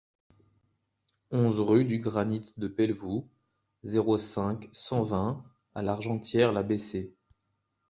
onze rue du Granit de Pelvoux, zéro cinq, cent vingt à L'Argentière-la-Bessée